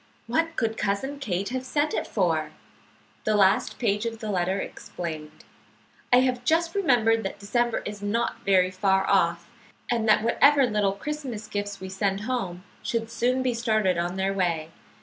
What could Cousin Kate have sent it for?" The last page of the letter explained. "I have just remembered that December is not very far off, and that whatever little Christmas gifts we send home should soon be started on their way.